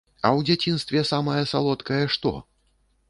А ў дзяцінстве самае салодкае што?